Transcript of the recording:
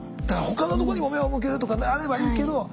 だから他のとこにも目を向けるとかあればいいけど。